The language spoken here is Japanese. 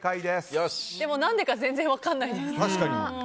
でも何でか全然分からないです。